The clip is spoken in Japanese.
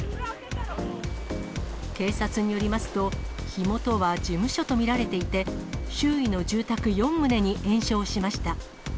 警察によりますと、火元は事務所と見られていて、周囲の住宅４棟に延焼しました。